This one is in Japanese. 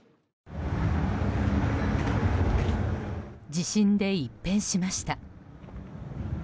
地震で一変しました。